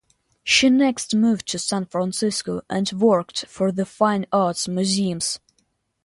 She next moved to San Francisco and worked for the Fine Arts Museums.